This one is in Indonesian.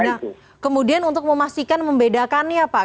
nah kemudian untuk memastikan membedakannya pak